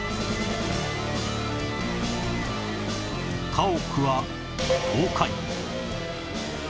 家屋は倒壊